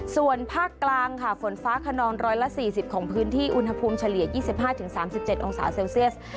ส่วนภาคกลางค่ะฝนฟ้าขนอง๑๔๐ของพื้นที่อุณหภูมิเฉลี่ย๒๕๓๗องศาเซลเซียส